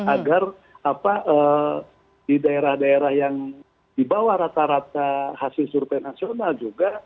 agar di daerah daerah yang di bawah rata rata hasil survei nasional juga